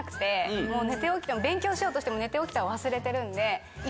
勉強しようとしても寝て起きたら忘れてるんで。